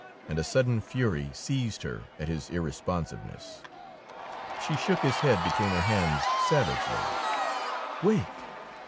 And a sudden fury seized her at his irresponsiveness. She shook his head between her hands savagely. "Wake!